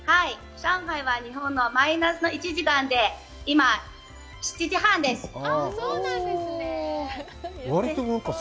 上海は日本のマイナスの１時間で、今、７時半です。